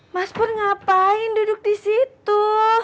mas pun ngapain duduk di situ